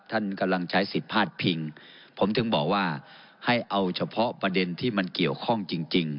ท่านกำลังใช้สิทธิ์พาดพิงผมถึงบอกว่าให้เอาเฉพาะประเด็นที่มันเกี่ยวข้องจริงจริง